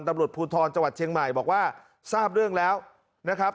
ตำรวจภูทรจังหวัดเชียงใหม่บอกว่าทราบเรื่องแล้วนะครับ